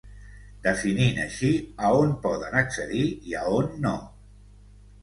Definint així a on poden accedir i a on no.